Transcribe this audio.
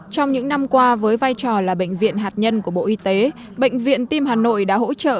trong những năm qua với vai trò là bệnh viện hạt nhân của bộ y tế bệnh viện tim hà nội đã hỗ trợ